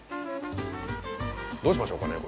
どうしましょうかねこれ。